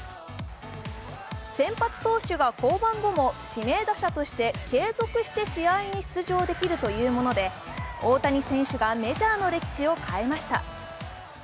先発投手が降板後も指名打者として継続して試合に出場できるというもので、大谷選手がメジャーの歴史を変えました。